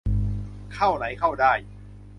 เข้าไหนเข้าได้